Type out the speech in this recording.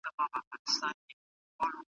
تفسیر او شننه د بصیرت لرونکو کسانو دنده ده.